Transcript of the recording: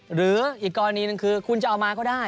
หรืออีกกรณีหนึ่งคือคุณจะเอามาก็ได้